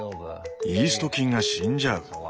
イースト菌が死んじゃう。